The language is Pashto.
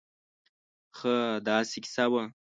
خاا داسې قیصه وه